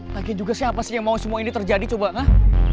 lagi juga siapa sih yang mau semua ini terjadi coba kah